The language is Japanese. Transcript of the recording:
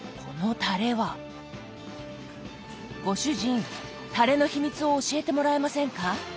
ご主人タレの秘密を教えてもらえませんか？